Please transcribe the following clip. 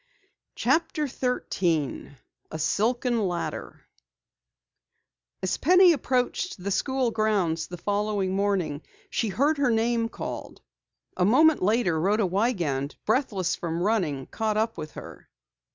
CHAPTER 13 A SILKEN LADDER As Penny approached the school grounds the following morning, she heard her name called. A moment later, Rhoda Wiegand, breathless from running, caught up with her.